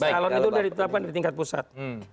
kalon itu sudah ditetapkan dari tingkat pusat